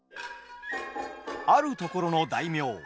あるところの大名。